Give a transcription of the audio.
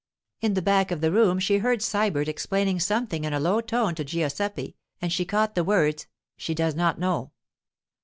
In the back of the room she heard Sybert explaining something in a low tone to Giuseppe, and she caught, the words, 'she does not know.